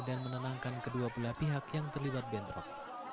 dan menenangkan kedua belah pihak yang terlibat bentrok